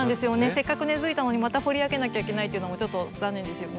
せっかく根づいたのにまた掘り上げなきゃいけないというのもちょっと残念ですよね。